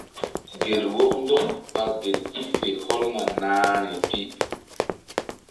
Gel wɔk ndɔk ɓa gel i fe hɔlna nahri pi.